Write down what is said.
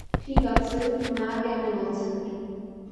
ঠিক আছে, মা কেমন আছে?